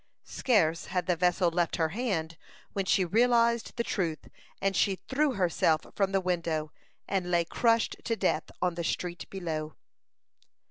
Scarce had the vessel left her hand, when she realized the truth, and she threw herself from the window, and lay crushed to death on the street below.